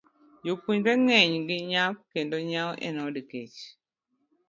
Jopuonjre ng'enygi nyap kendo nyao en od kech.